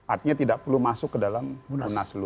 artinya tidak perlu masuk ke dalam munaslu